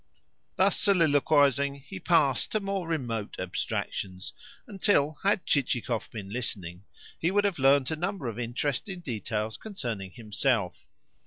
Thus soliloquising, he passed to more remote abstractions; until, had Chichikov been listening, he would have learnt a number of interesting details concerning himself.